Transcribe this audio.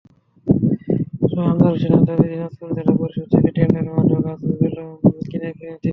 তবে আমজাদ হোসেনের দাবি, দিনাজপুর জেলা পরিষদ থেকে টেন্ডারের মাধ্যমে গাছগুলো তিনি কিনেছেন।